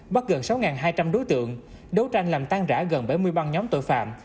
bắt gần sáu hai trăm linh đối tượng đấu tranh làm tan rã gần bảy mươi băng nhóm tội phạm